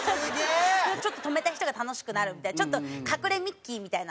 止めた人が楽しくなるみたいなちょっと隠れミッキーみたいな。